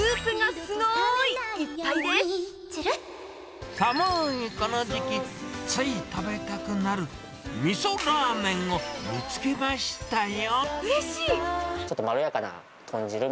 寒ーいこの時期、つい食べたくなる、みそラーメンを見つけましたよ。